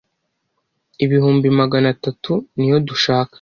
ibihumbi magana tatu niyo dushaka